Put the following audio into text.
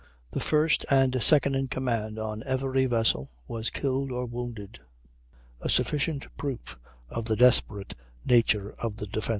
The first and second in command on every vessel were killed or wounded, a sufficient proof of the desperate nature of the defence.